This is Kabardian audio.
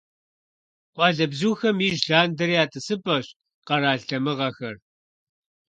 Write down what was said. Къуалэбзухэм ижь лъандэрэ я «тӀысыпӀэщ» къэрал дамыгъэхэр.